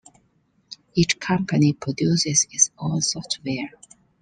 Each company produces its own software.